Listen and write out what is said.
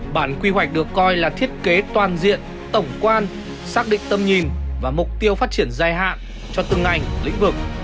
bản quy hoạch được coi là thiết kế toàn diện tổng quan xác định tâm nhìn và mục tiêu phát triển dài hạn cho từng ngành lĩnh vực